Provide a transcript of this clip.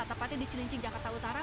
tepatnya di cilincing jakarta utara